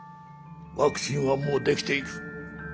ワクチンはもう出来ている。